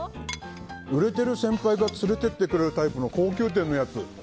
売れてる先輩が連れて行ってくれるタイプの高級店のやつ！